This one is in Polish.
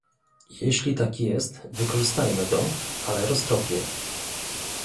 Jeśli tak jest, wykorzystajmy to, ale roztropnie